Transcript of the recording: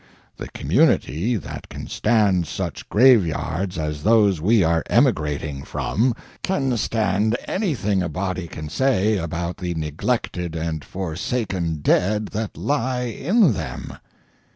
The community that can stand such graveyards as those we are emigrating from can stand anything a body can say about the neglected and forsaken dead that lie in them."